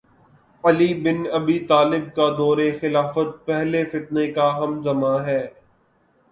علی بن ابی طالب کا دور خلافت پہلے فتنے کا ہم زمان ہے